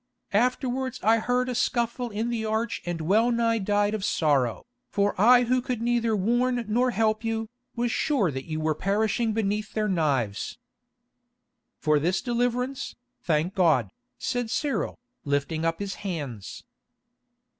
Afterwards I heard a scuffle in the arch and well nigh died of sorrow, for I who could neither warn nor help you, was sure that you were perishing beneath their knives." "For this deliverance, thank God," said Cyril, lifting up his hands.